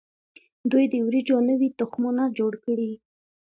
دوی د وریجو نوي تخمونه جوړ کړي.